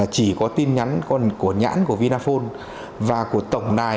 chỉ có tin nhắn của nhãn của vinaphone và của tổng đài